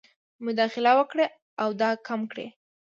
مداخله وکړي او دا کم کړي.